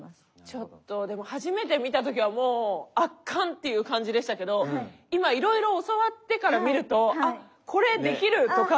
ちょっとでも初めて見た時はもう圧巻っていう感じでしたけど今いろいろ教わってから見るとあっこれできるとか。